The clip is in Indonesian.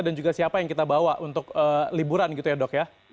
dan juga siapa yang kita bawa untuk liburan gitu ya dok ya